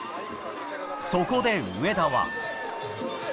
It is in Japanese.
そこで上田は。